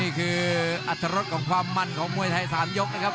นี่คืออัตรรสของความมันของมวยไทย๓ยกนะครับ